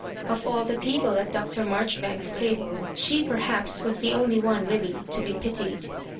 Of all the people at Dr. Marjori banks's table, she perhaps was the only one really to be pitied.